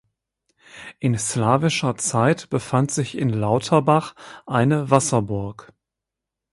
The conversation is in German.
In slawischer Zeit befand sich in Lauterbach eine Wasserburg.